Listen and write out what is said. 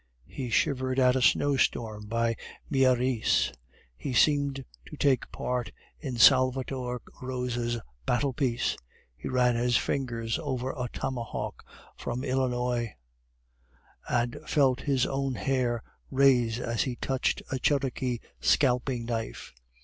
He shivered at a snowstorm by Mieris; he seemed to take part in Salvator Rosa's battle piece; he ran his fingers over a tomahawk form Illinois, and felt his own hair rise as he touched a Cherokee scalping knife.